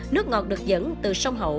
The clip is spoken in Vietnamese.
nước ngọt được dẫn từ sông hậu